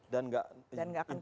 dan gak akan keluar